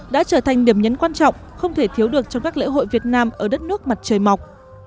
đã trở thành điểm nhấn quan trọng không thể thiếu được trong các lễ hội việt nam ở đất nước mặt trời mọc